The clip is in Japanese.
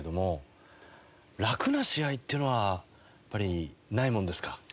楽な試合っていうのはやっぱりないものですか？